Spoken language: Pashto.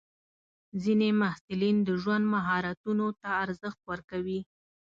ځینې محصلین د ژوند مهارتونو ته ارزښت ورکوي.